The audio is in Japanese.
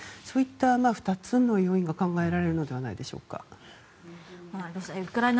そういった２つの要因が考えられるのではないでしょうか。